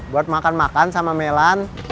buat makan makan sama melan